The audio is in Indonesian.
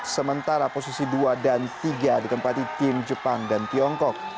sementara posisi dua dan tiga ditempati tim jepang dan tiongkok